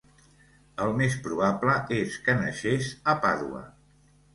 El més probable és que naixés a Pàdua.